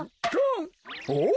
おっ？